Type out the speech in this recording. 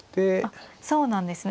あっそうなんですね。